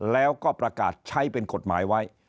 แล้วก็ประกาศใช้เป็นกฎหมายไว้